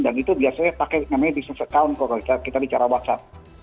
itu biasanya pakai namanya business account kalau kita bicara whatsapp